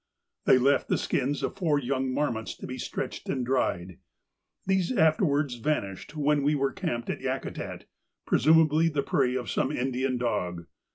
They left the skins of four young marmots to be stretched and dried. These afterwards vanished when we were camped at Yakutat, presumably the prey of some Indian dog.